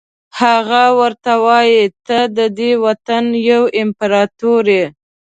هغه ورته وایي ته ددې وطن یو امپراتور یې.